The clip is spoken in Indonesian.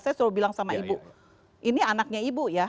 saya suruh bilang sama ibu ini anaknya ibu ya